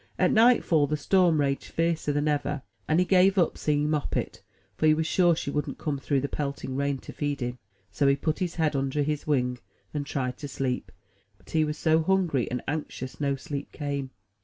At nightfall the storm raged fiercer than ever, and he gave up seeing Moppet; for he was sure she wouldn't come through the pelting rain to feed him. So he put his head under his wing, and tried to sleep; but he was so hungry and anxious, no sleep came.